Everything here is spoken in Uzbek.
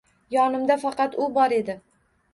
Yonimda faqat u bor edi.